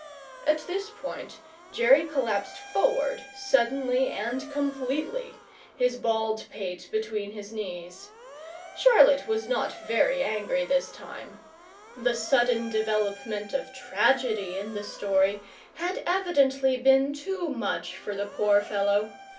At this point Jerry collapsed forward, suddenly and completely, his bald pate between his knees. Charlotte was not very angry this time. The sudden development of tragedy in the story had evidently been too much for the poor fellow.